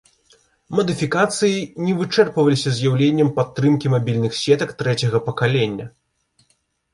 Мадыфікацыі не вычэрпваліся з'яўленнем падтрымкі мабільных сетак трэцяга пакалення.